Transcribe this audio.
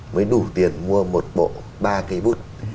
mới đủ tiền mua một bộ ba cái bút